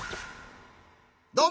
どうも！